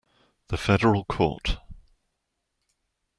The federal court.